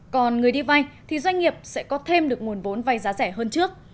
còn người đi vay thì doanh nghiệp sẽ có thêm được nguồn vốn vay giá rẻ hơn trước